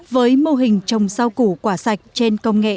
với mô hình trồng rau củ quả sạch trên công nghệ